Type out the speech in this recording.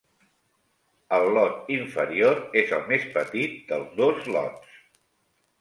El lot inferior és el més petit dels dos lots.